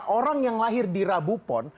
orang yang lahir di rabu pon